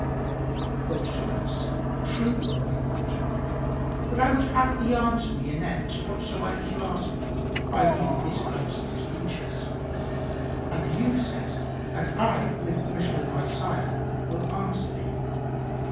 Quoth Shimas, "True, O my lord; but I would have thee answer me anent whatso I shall ask thee, by leave of His Highness and his lieges." And the youth said, "And I, with permission of my sire, will answer thee."